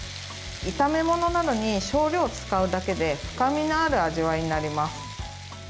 炒め物などに少量使うだけで深みのある味わいになります。